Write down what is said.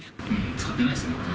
使ってないですね。